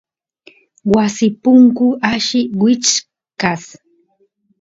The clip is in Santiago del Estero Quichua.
wasi punku alli wichkasq